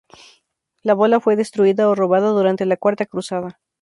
La bola fue destruida o robada durante la Cuarta Cruzada.